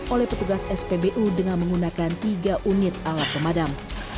oleh petugas spbu dengan menggunakan tiga unit alat pemadam